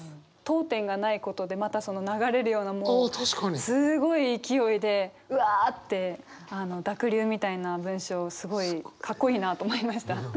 読点がないことでまたその流れるようなすごい勢いでうわって濁流みたいな文章すごいかっこいいなと思いました。